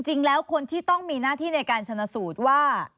จริงแล้วคนที่ต้องมีหน้าที่ในการชนะสูตรว่า